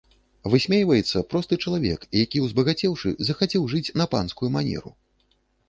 Высмейваецца просты чалавек, які, узбагацеўшы, захацеў жыць на панскую манеру.